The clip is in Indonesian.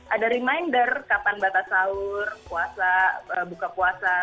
ada reminder kapan batas sahur puasa buka puasa